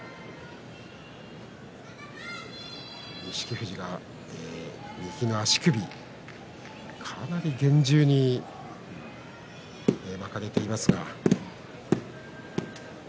富士は右の足首かなり厳重に巻かれていますが。